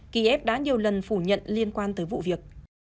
kiev đã nhiều lần phủ nhận liên quan tới vụ việc